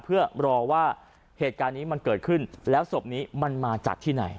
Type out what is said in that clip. เพื่อรอว่าเหตุการณ์นี้มันเกิดขึ้นแล้วศพนี้มันมาจากที่ไหน